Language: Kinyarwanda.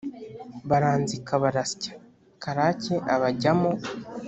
baranzika barasya, Karake abajyamo